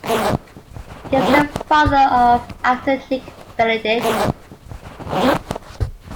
He is the father of actor Nick Benedict.